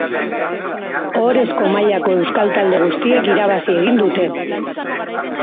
Ohorezko mailako euskal talde guztiek irabazi egin dute.